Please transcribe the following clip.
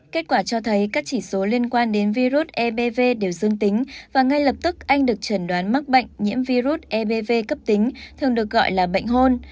kết quả cho thấy các chỉ số liên quan đến virus ebv đều dương tính và ngay lập tức anh được chẩn đoán mắc bệnh nhiễm virus ebv cấp tính thường được gọi là bệnh hôn